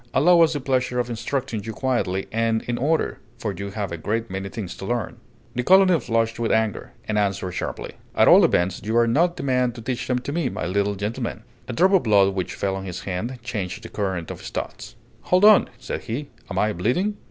Allow us the pleasure of instructing you quietly and in order, for you have a great many things to learn." The colonel flushed with anger, and answered sharply: "At all events, you are not the man to teach them to me, my little gentleman!" A drop of blood which fell on his hand changed the current of his thoughts. "Hold on!" said he: "am I bleeding?"